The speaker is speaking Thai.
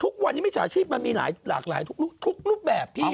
ทุกวันนี้มิจฉาชีพมันมีหลายหลากหลายทุกรูปแบบพี่